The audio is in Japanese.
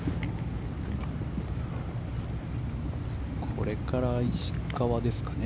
これから石川ですかね